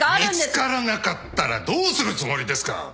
見つからなかったらどうするつもりですか。